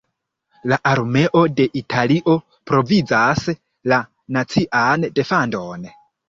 La armeo de Italio provizas la nacian defendon.